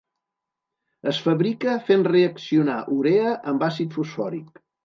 Es fabrica fent reaccionar urea amb àcid fosfòric.